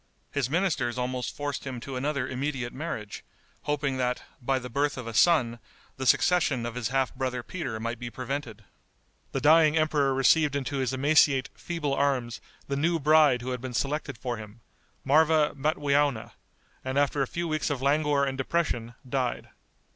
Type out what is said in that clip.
His ministers almost forced him to another immediate marriage, hoping that, by the birth of a son, the succession of his half brother Peter might be prevented. The dying emperor received into his emaciate, feeble arms the new bride who had been selected for him, Marva Matweowna, and after a few weeks of languor and depression died.